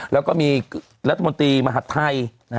แล้วก็มีรัฐมนตรีมหาดไทย